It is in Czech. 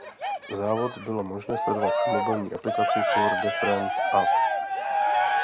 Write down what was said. Závod bylo možné sledovat v mobilní aplikaci Tour de France App.